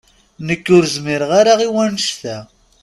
Nekk ur zmireɣ ara i wannect-a.